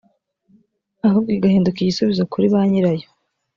ahubwo igahinduka igisubizo kuri banyirayo